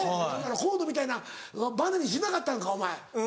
河野みたいなバネにしなかったんかお前。